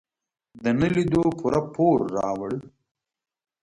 د نه لیدو پوره پور راوړ.